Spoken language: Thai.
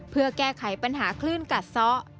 เพื่อแก้ไขปัญหาคลื่นกัดซ้อ